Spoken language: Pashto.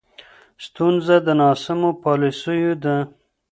ستونزه د ناسمو پالیسیو ده.